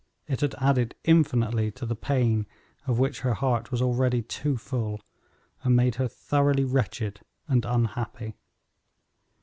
It had added infinitely to the pain of which her heart was already too full, and made her thoroughly wretched and unhappy.